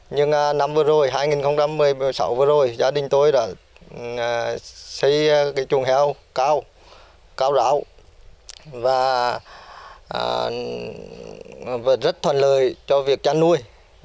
nhưng năm vừa rồi năm hai nghìn một mươi sáu vừa rồi gia đình tôi đã xây chuồng heo cao rão và rất thuận lợi cho việc chăn nuôi